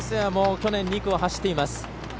去年２区を走っています。